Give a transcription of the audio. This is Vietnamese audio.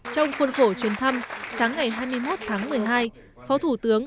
trong khuôn khổ chuyến thăm sáng ngày hai mươi một tháng một mươi hai phó thủ tướng